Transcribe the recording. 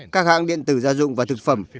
các hãng điện tử gia dụng và thực phẩm